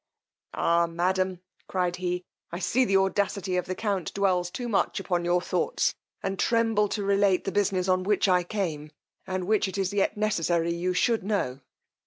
Ah! madam, cried he, I see the audacity of the count dwells too much upon your thoughts, and tremble to relate the business on which I came, and which it is yet necessary you should know.